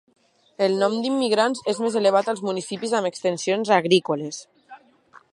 El nombre d'immigrants és més elevat als municipis amb extensions agrícoles.